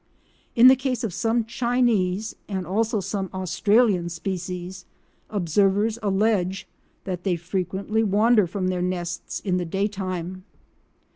In the case of some Chinese and also some Australian species observers allege that they frequently wander from their nests in the day time.